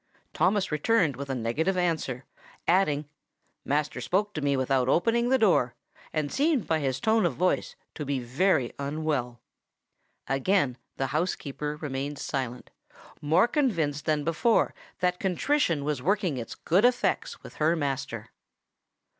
Thomas returned with a negative answer, adding "Master spoke to me without opening the door, and seemed by his tone of voice to be very unwell." Again the housekeeper remained silent, more convinced than before that contrition was working its good effects with her master.